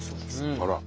あら！